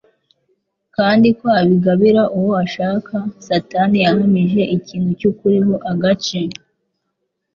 kandi ko abigabira uwo ashaka, Satani yahamije ikintu cy'ukuri ho agace,